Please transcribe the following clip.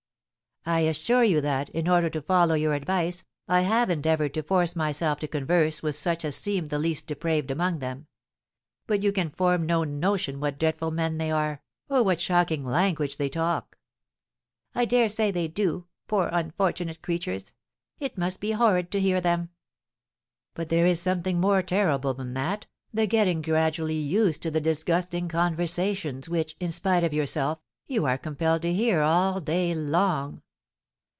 "I assure you that, in order to follow your advice, I have endeavoured to force myself to converse with such as seemed the least depraved among them; but you can form no notion what dreadful men they are, or what shocking language they talk." "I dare say they do, poor unfortunate creatures! It must be horrid to hear them." "But there is something more terrible than that, the getting gradually used to the disgusting conversations which, in spite of yourself, you are compelled to hear all day long.